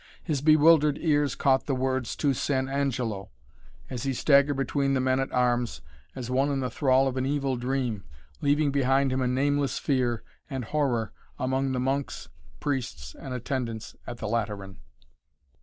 His bewildered ears caught the words: "To San Angelo," as he staggered between the men at arms as one in the thrall of an evil dream, leaving behind him a nameless fear and horror among the monks, priests and attendants at the Lateran.